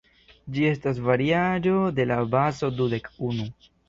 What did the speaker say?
Ĝi estas variaĵo de la bazo dudek unu.